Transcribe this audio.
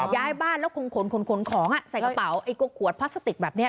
ย้ายบ้านแล้วคงขนขนของใส่กระเป๋าไอ้พวกขวดพลาสติกแบบนี้